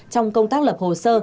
trong công tác lập hồ sơ